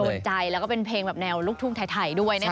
โดนใจแล้วก็เป็นเพลงแบบแนวลูกทุ่งไทยด้วยนะคะ